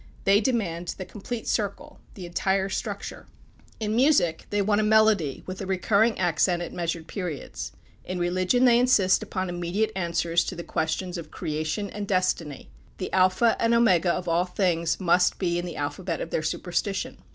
They demand the complete circle the entire structure. In music they want a melody with a recurring accent at measured periods. In religion they insist upon immediate answers to the questions of creation and destiny. The alpha and omega of all things must be in the alphabet of their superstition.